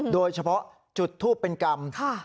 โดยเฉพาะจุดทูปเป็นกรรม